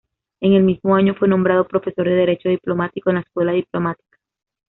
En el mismo año fue nombrado profesor de Derecho diplomático en la Escuela Diplomática.